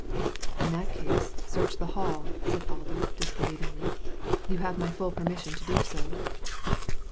" In that case search the Hall," said Alder, dis bclievingly. You have my full permission to do so."